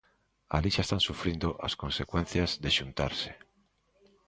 Alí xa están sufrindo as consecuencias de xuntarse.